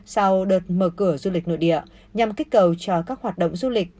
sau đợt mở cửa du lịch nội địa nhằm kích cầu cho các hoạt động du lịch